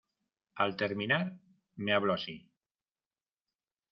al terminar, me habló así: